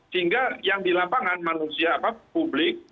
sehingga yang di lapangan manusia publik